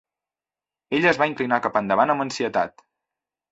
Ella es va inclinar cap endavant amb ansietat.